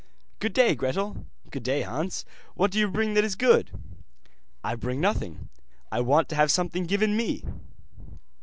'Good day, Gretel.' 'Good day, Hans. What do you bring that is good?' 'I bring nothing, I want to have something given me.